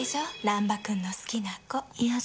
難破君の好きな子。